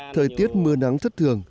thời tiết mưa nắng thất thường